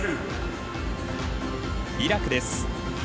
イラクです。